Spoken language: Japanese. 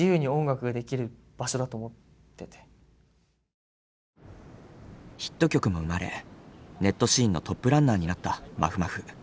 どんなにヒットしてもヒット曲も生まれネットシーンのトップランナーになったまふまふ。